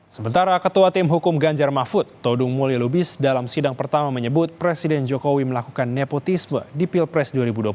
sementara ketua tim hukum ganjar mahfud todung mulya lubis dalam sidang pertama menyebut presiden jokowi melakukan nepotisme di pilpres dua ribu dua puluh empat